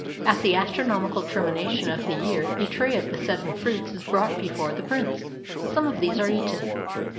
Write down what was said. At the astronomical termination of the year a tray of the seven fruits is brought before the prince. Some of these are eaten.